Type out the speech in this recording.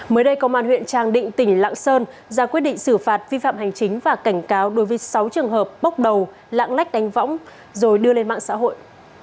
mới đây công an huyện trang định tỉnh lạng sơn ra quyết định xử phạt vi phạm hành chính và cảnh cáo đối với sáu trường hợp bốc đầu lạng lách đánh võng rồi đưa lên mạng xã hội